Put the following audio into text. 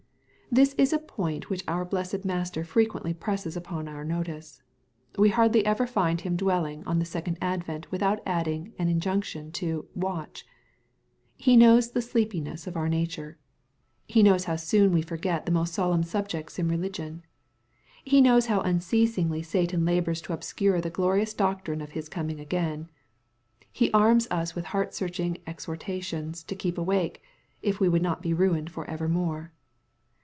This is a point which our blessed Master frequently presses upon our notice. (We hardly ever find Him dwelling on the second advent without adding an in junction to " watch.^; He knows the sleepiness of oui nature. He knows how soon we forget the most solemn subjects in religion. He knows how unceasingly Satan labors to obscure the glorious doctrine' of His coming again. He arms us with heartsearching exhortations to keep awake, if we would not be ruined for evermore.